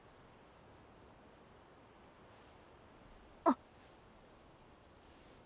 あっ。